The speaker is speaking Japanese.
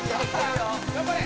頑張れ！